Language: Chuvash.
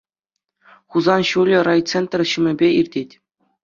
Хусан ҫулӗ райцентр ҫумӗпе иртет.